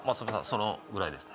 そのぐらいです